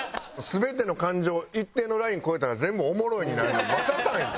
全ての感情一定のライン超えたら全部「おもろい」になるの雅さんや。